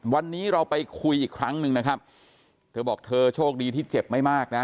วันนี้เราไปคุยอีกครั้งหนึ่งนะครับเธอบอกเธอโชคดีที่เจ็บไม่มากนะ